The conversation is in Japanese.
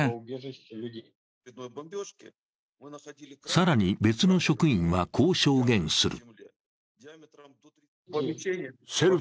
更に、別の職員はこう証言する。